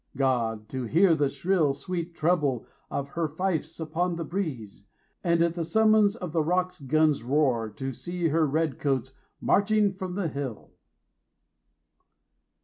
God! to hear the shrill 11 Sweet treble of her fifes upon the breeze, And at the summons of the rock gun's roar To see her red coats marching from the hill!